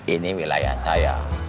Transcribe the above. ini wilayah saya